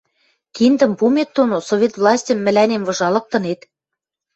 Киндӹм пумет доно Совет властьым мӹлӓнем выжалыктынет?